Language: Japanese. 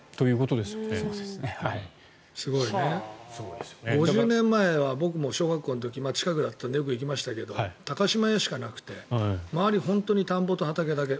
すごいね５０年前は、僕も小学校の時近くだったのでよく行きましたけど高島屋しかなくて周り、本当に田んぼと畑だけ。